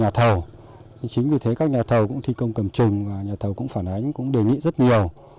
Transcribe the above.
nhà thầu chính vì thế các nhà thầu cũng thi công cầm trình và nhà thầu cũng phản ánh cũng đề nghị rất nhiều